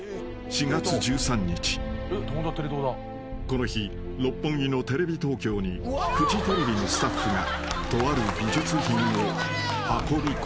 ［この日六本木のテレビ東京にフジテレビのスタッフがとある美術品を運びこんでいた］